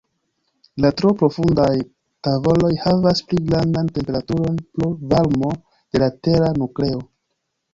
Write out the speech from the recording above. La tro profundaj tavoloj havas pli grandan temperaturon pro varmo de la tera nukleo.